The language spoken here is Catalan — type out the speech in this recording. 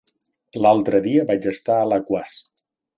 L'altre dia vaig estar a Alaquàs.